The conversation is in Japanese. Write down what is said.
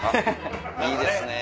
いいですね！